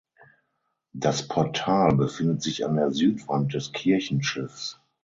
Das Portal befindet sich an der Südwand des Kirchenschiffs.